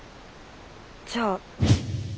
じゃあ。